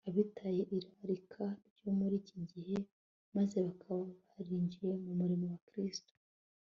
abitabye irarika ryo muri iki gihe maze bakaba barinjiye mu murimo wa kristo